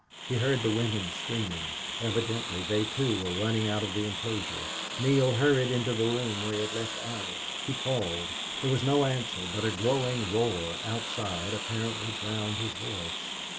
He heard the women screaming. Evidently they too were running out to the inclosure. Neale hurried into the room where he had left Allie. He called. There was no answer, but a growing roar outside apparently drowned his voice.